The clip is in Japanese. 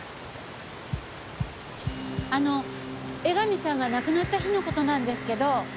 あの江上さんが亡くなった日の事なんですけど。